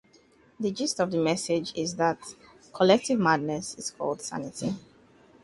The gist of the message is that "collective madness is called sanity".